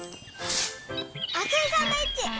あついサンドイッチ！